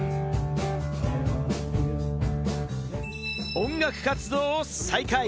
音楽活動を再開。